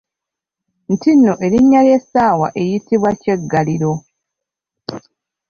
Nti nno erinnya ly’essaawa eyitibwa Kyeggaliro.